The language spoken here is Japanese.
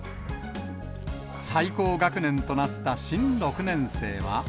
最高学年となった新６年生は。